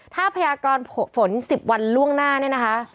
ถ้าพยากรฝน๑๐วันล่วงหน้าเนี่ยนะคะ